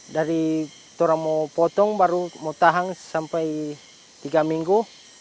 dari turang mau potong baru mau tahan sampai tiga minggu